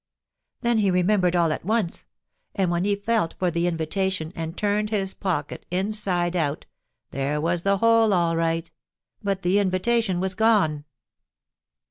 Then he remembered all at once, and when he felt for the invitation and turned his pocket inside out there was the hole all right, but the invitation was gone.